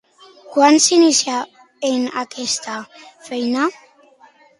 Quan s'inicià en aquesta feina?